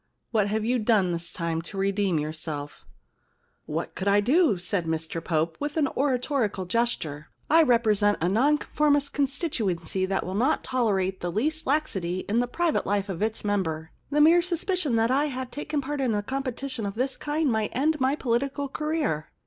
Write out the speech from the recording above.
What have you done this time to redeem yourself ?What could I do?* said Mr Pope, with an oratorical gesture. * I represent a Non conformist constituency which is not tolerant of the least laxity in the private life of its member. The mere suspicion that I had taken part in a competition of this kind might end my political career.